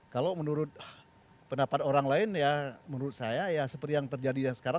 kalau menurut pendapat orang lain ya menurut saya ya seperti yang terjadi yang sekarang